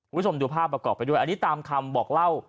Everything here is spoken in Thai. วิสมธุภาพประกอบไปด้วยอันนี้ตามคำบอกเล่า